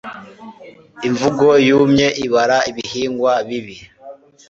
Imvugo yumye ibara ibihingwa bibi.